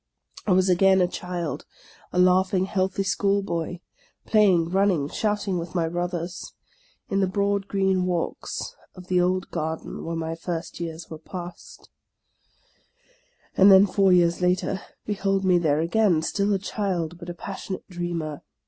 I was again a child, — a laughing, healthy schoolboy, play ing, running, shouting with my brothers, in the broad green walks of the old garden where my first years were passed. And then, four years later, behold me there again, still a child, but a passionate dreamer.